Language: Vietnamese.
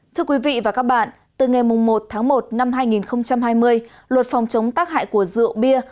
thưa quý vị và các bạn từ ngày một tháng một năm hai nghìn hai mươi luật phòng chống tác hại của rượu bia